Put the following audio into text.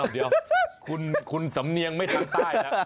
เดี๋ยวคุณสำเนียงไม่ทำใต้แล้ว